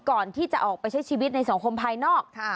ก่อนที่จะออกไปใช้ชีวิตในสังคมภายนอก